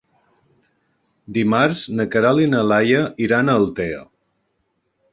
Dimarts na Queralt i na Laia iran a Altea.